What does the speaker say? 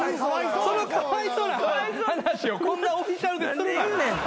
そのかわいそうな話をこんなオフィシャルでするな。